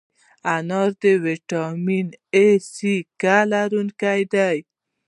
انار د ویټامین A، C، K لرونکی دی.